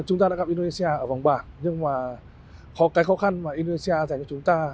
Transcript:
chúng ta đã gặp indonesia ở vòng bảng nhưng mà có cái khó khăn mà indonesia dành cho chúng ta